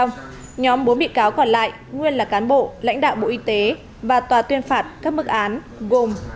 nhóm bốn bị cáo còn lại nguyên là cán bộ lãnh đạo bộ y tế và tòa tuyên phạt các mức án gồm